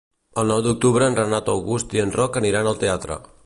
El nou d'octubre en Renat August i en Roc aniran al teatre.